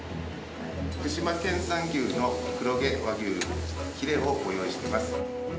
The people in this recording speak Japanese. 福島県産牛の黒毛和牛ヒレをご用意しています。